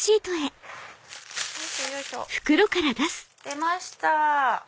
出ました！